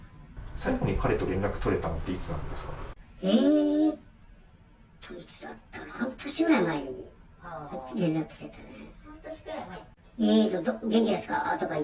最後に彼と連絡取れたのっていつなんですか？